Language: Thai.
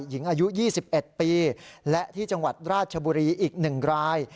หญิงอายุยี่สิบเอ็ดปีและที่จังหวัดราชบุรีอีกหนึ่งราย